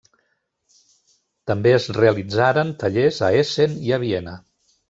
També es realitzaren tallers a Essen i a Viena.